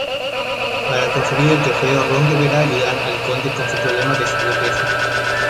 Para conseguir el trofeo ron deberá ayudar al Conde con su problema de sobrepeso.